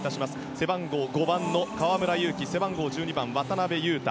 背番号５番の河村勇輝背番号１２番、渡邊雄太